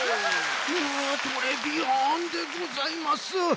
トレビアンでございます！